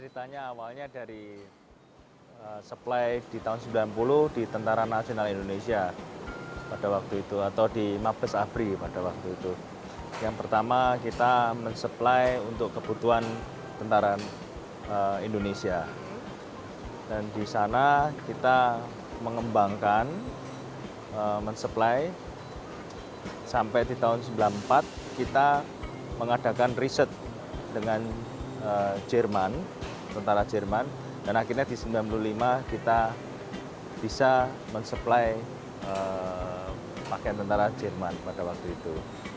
kita mengembangkan men supply sampai di tahun seribu sembilan ratus sembilan puluh empat kita mengadakan riset dengan jerman tentara jerman dan akhirnya di seribu sembilan ratus sembilan puluh lima kita bisa men supply pakaian tentara jerman pada waktu itu